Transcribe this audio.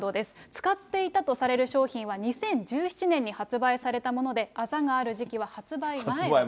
使っていたとされる商品は２０１７年に販売されたもので、あざがある時期は発売前だと。